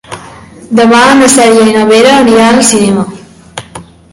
Demà na Cèlia i na Vera aniran al cinema.